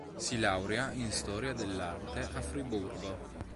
Si laurea in storia dell'arte a Friburgo.